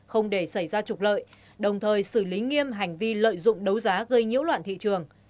không để xảy ra trục lợi đồng thời xử lý nghiêm hành vi lợi dụng đấu giá gây nhiễu loạn thị trường